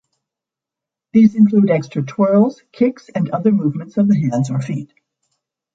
These include extra twirls, kicks, and other movements of the hands or feet.